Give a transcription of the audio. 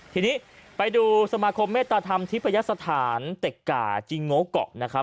ทีนี้ไปดูสมาคมเมตตาธรรมทิพยสถานเต็กก่าจิงโง่เกาะนะครับ